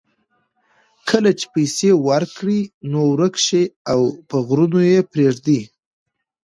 کله چې پیسې ورکړې نو ورک شي او په غرونو کې یې پرېږدي.